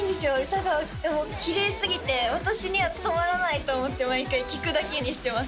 歌がきれいすぎて私には務まらないと思って毎回聴くだけにしてます